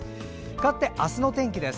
かわって、明日の天気です。